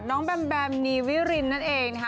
ใช่น้องแบมแบมนีวิรินนั่นเองค่ะ